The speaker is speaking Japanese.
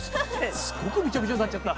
すごくびちょびちょになっちゃった。